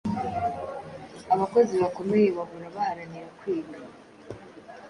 Abakozi bakomeye bahora baharanira kwiga